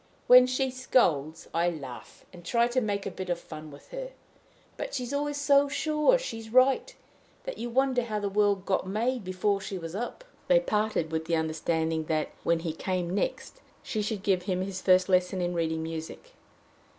When she scolds, I laugh, and try to make a bit of fun with her. But she's always so sure she's right, that you wonder how the world got made before she was up." They parted with the understanding that, when he came next, she should give him his first lesson in reading music.